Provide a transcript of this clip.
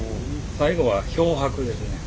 最後は漂白ですね。